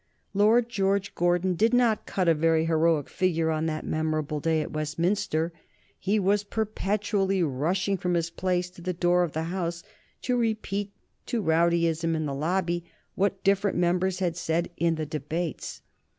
Lord George Gordon did not cut a very heroic figure on that memorable day at Westminster. He was perpetually rushing from his place to the door of the House to repeat to rowdyism in the Lobby what different members had said in the debates.